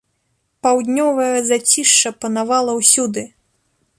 Паўднёвае зацішша панавала ўсюды.